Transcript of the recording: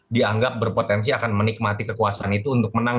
dianggap berpotensi akan menikmati kekuasaan itu untuk menang